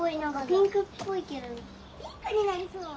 ピンクになりそう。